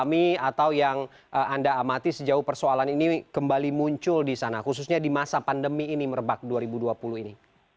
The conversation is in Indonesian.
atau yang anda amati sejauh persoalan ini kembali muncul di sana khususnya di masa pandemi ini merebak dua ribu dua puluh ini